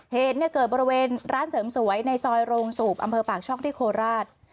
เหตุเนี่ยเกิดบริเวณร้านเสริมสวยในซอยโรงสูบอำเภอปากช่องที่โคราช